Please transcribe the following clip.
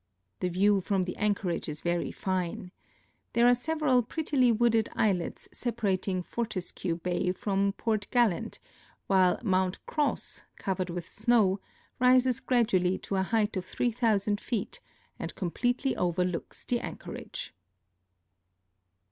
The view from the anchorage is ver}^ fine. There are several prettily wooded islets separating Fgrtescue bay from Port Gal lant, while Mount Cross, covered with snow, rises gradual]}'' to a height of 3,000 feet and completely overlooks the anchorage.